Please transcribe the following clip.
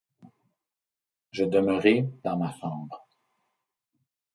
Je demeurai dans ma chambre.